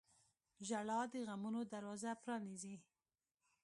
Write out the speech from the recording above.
• ژړا د غمونو دروازه پرانیزي.